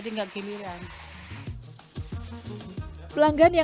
jadi nggak gini lah jadi nggak gini lah